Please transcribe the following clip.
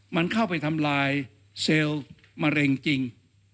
มันเข้าไปทำลายเซลล์มะเร็งจริง